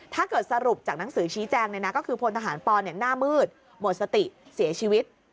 ถ้าเกิดสรุปจากหนังสือชี้แจงก็คือพลทหารปอนหน้ามืดหมดสติเสียชีวิต